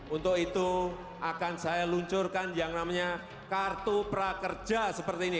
untuk itu akan saya luncurkan yang namanya kartu prakerja seperti ini